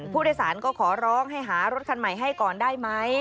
ผู้โดยสารก็ขอร้องให้หารถคันใหม่ให้ก่อนได้ไหม